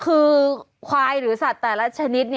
คือควายหรือสัตว์แต่ละชนิด